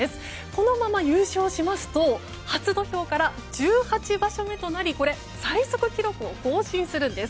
このまま優勝しますと初土俵から１８場所目となり最速記録を更新するんです。